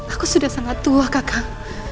aku sudah sangat tua kakak